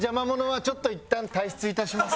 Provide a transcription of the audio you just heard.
ちょっといったん退室いたします。